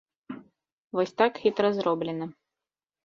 Вось так хітра зроблена.